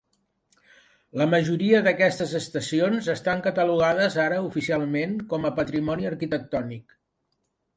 La majoria d'aquestes estacions estan catalogades ara oficialment com a patrimoni arquitectònic.